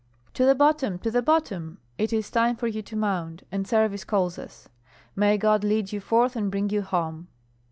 "To the bottom, to the bottom! It is time for you to mount, and service calls us. May God lead you forth and bring you home."